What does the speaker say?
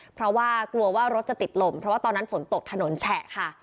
เพราะว่ากลัวว่ารถจะติดลมเพราะว่าตอนนั้นฝนตกถนนแฉะค่ะ